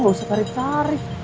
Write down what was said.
gak usah tarik tarik